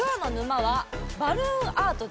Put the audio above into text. バルーンアート。